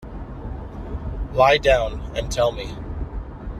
Lie down, and tell me.